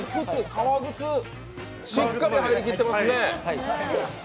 革靴、しっかり入りきってますね。